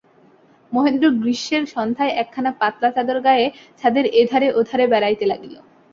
মহেন্দ্র গ্রীষেমর সন্ধ্যায় একখানা পাতলা চাদর গায়ে ছাদের এধারে ওধারে বেড়াইতে লাগিল।